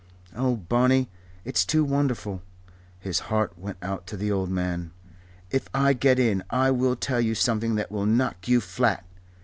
Oh, Barney, it's too wonderful" his heart went out to the old man. "If I get in I will tell you something that will knock you flat.